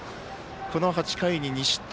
この８回に２失点。